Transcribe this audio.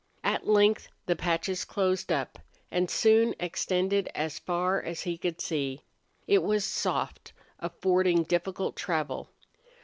At length the patches closed up, and soon extended as far as he could see. It was soft, affording difficult travel.